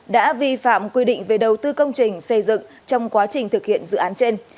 đã vi phạm quy định về đầu tư công trình xây dựng trong quá trình thực hiện dự án trên